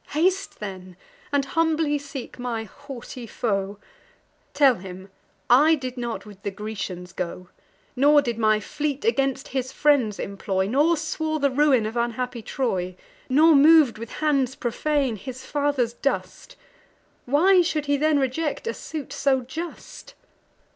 Haste then, and humbly seek my haughty foe; Tell him, I did not with the Grecians go, Nor did my fleet against his friends employ, Nor swore the ruin of unhappy Troy, Nor mov'd with hands profane his father's dust: Why should he then reject a suit so just!